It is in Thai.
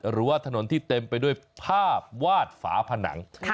หรือว่าถนนที่เต็มไปด้วยภาพวาดฝาผนัง